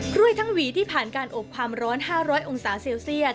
กล้วยทั้งหวีที่ผ่านการอบความร้อน๕๐๐องศาเซลเซียต